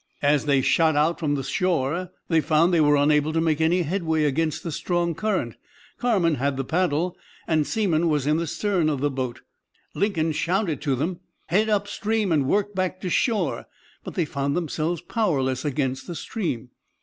As they shot out from the shore they found they were unable to make any headway against the strong current. Carman had the paddle, and Seamon was in the stern of the boat. Lincoln shouted to them to head up stream and 'work back to shore,' but they found themselves powerless against the stream.